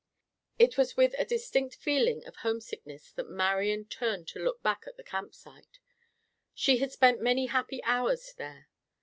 It was with a distinct feeling of homesickness that Marian turned to look back at the campsite. She had spent many happy hours there.